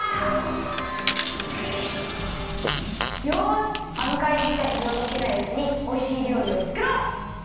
よしあのかいじんたちがうごけないうちにおいしいりょうりをつくろう！